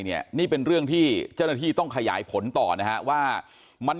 เนี่ยนี่เป็นเรื่องที่เจ้าหน้าที่ต้องขยายผลต่อนะฮะว่ามัน